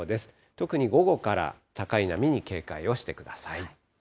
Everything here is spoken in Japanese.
特に午後から高い波に警戒をしてください。